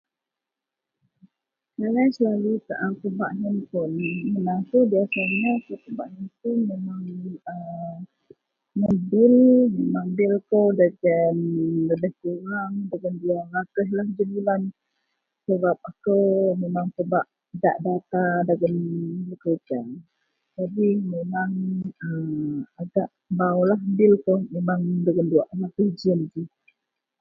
Anang selalu pebak handphone mun aku biasany handphone lenih kurang dagen 200 lah jebulan Sebab aku idak data dagen handphone jadi bil kou anang bau dalam 200.00